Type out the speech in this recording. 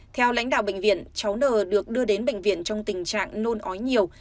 theo lãnh đạo bệnh viện cháu n được đưa đến bệnh viện trong tình trạng nôn ói nhiều